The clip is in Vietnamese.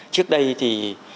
trước đây thì